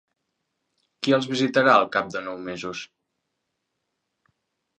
¿Qui els visitarà al cap de nou mesos?